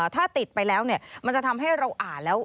ถ้าติดไปแล้วเนี่ยมันจะทำให้เราอ่านแล้ว